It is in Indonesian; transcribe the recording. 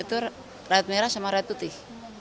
itu rawit merah sama rawit putih